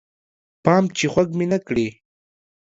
پام چې خوږ مې نه کړې